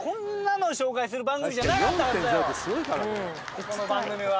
この番組は。